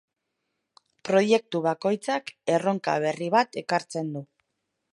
Proiektu bakoitzak erronka berri bat ekartzen du.